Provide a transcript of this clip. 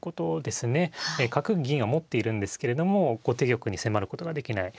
角銀は持っているんですけれども後手玉に迫ることができない。